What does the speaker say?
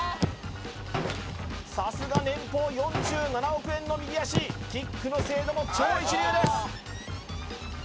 さすが年俸４７億円の右足キックの精度も超一流です